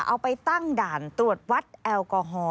เอาไปตั้งด่านตรวจวัดแอลกอฮอล